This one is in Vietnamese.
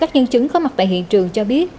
các nhân chứng có mặt tại hiện trường cho biết